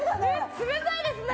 冷たいですね！